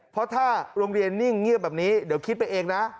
เพราะถ้าโรงเรียนนิ่งเงียบแบบนี้เดี๋ยวคิดไปเองนะ